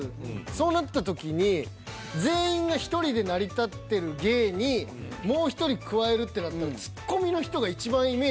そうなった時に全員が１人で成り立ってる芸にもう１人加えるってなったらそやな。